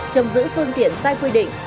trong giữ phương tiện sai quy định